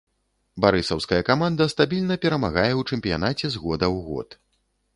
Барысаўская каманда стабільна перамагае ў чэмпіянаце з года ў год.